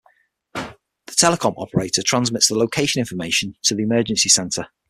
The telecom operator transmits the location information to the emergency centre.